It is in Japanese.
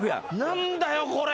何だよこれ！